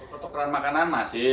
tuker tukeran makanan masih